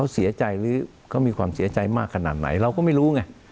เสียใจหรือเขามีความเสียใจมากขนาดไหนเราก็ไม่รู้ไง